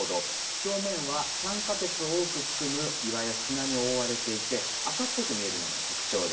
表面は酸化鉄を多く含む岩や砂に覆われていて赤っぽく見えるのが特徴です。